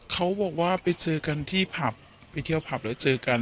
เขาบอกว่าไปเจอกันที่ผับไปเที่ยวผับแล้วเจอกัน